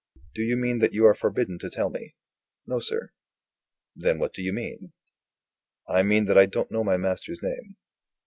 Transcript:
"Do you mean that you are forbidden to tell me?" "No, sir." "Then what do you mean?" "I mean that I don't know my master's name."